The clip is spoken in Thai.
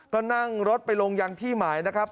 ก็นั่งรถไปลงยังที่หมายนะครับ